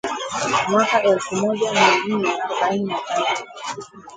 mwaka elfu moja mia nne arobaini na tatu